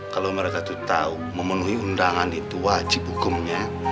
kalau mereka itu tahu memenuhi undangan itu wajib hukumnya